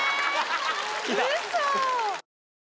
ウソ！